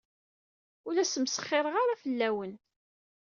Ur la smesxireɣ ara fell-awen.